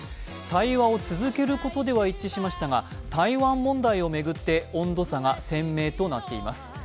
対話を続けることでは一致しましたが台湾問題を巡って温度差が鮮明となっています。